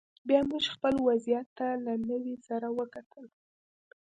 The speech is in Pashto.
بیا موږ خپل وضعیت ته له نوي سره وکتل